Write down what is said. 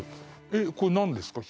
えっこれ何ですか？